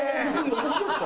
私ですか？